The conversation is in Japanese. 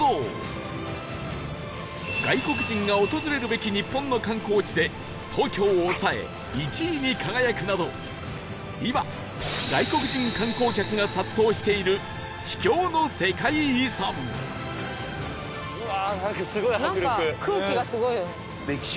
外国人が訪れるべき日本の観光地で東京を抑え１位に輝くなど今外国人観光客が殺到している秘境の世界遺産なんか空気がすごいよね。